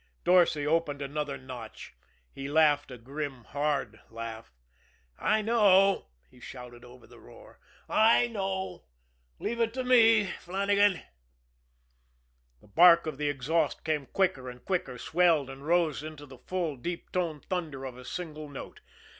Dorsay opened another notch. He laughed a grim, hard laugh. "I know," he shouted over the roar. "I know. Leave it to me, Flannagan." The bark of the exhaust came quicker and quicker, swelled and rose into the full, deep toned thunder of a single note.